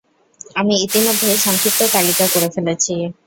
আমি ইতিমধ্যে সংক্ষিপ্ত তালিকা করে ফেলেছি।